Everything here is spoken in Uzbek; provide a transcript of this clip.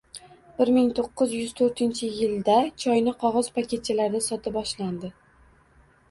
bir ming to'qqiz yuz to'rtinchi yilda choyni qog`oz paketchalarda sota boshlandi.